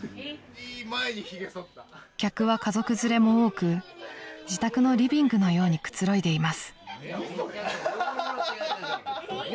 ［客は家族連れも多く自宅のリビングのようにくつろいでいます］